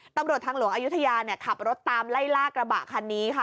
ตำรวจทางหลวงอายุทยาขับรถตามไล่ล่ากระบะคันนี้ค่ะ